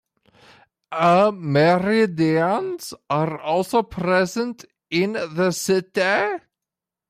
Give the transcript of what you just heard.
Amerindians are also present in the city.